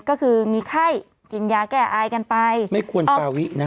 ก็คือมีไข้กินยาแก้อายกันไปไม่ควรฟาวินะ